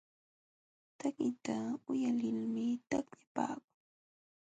Takiqta uyalilmi taqllapaakun.